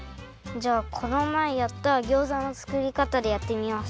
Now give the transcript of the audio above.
じゃあこのまえやったギョーザのつくりかたでやってみます。